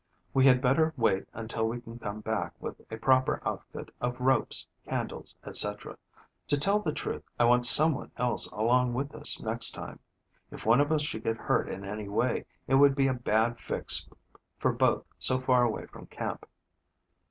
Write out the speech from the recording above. We had better wait until we can come back with a proper outfit of ropes, candles, etc. To tell the truth, I want someone else along with us next time. If one of us should get hurt in any way it would be a bad fix for both so far away from camp.